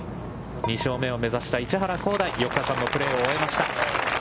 ２勝目を目指した市原弘大、４日間のプレーを終えました。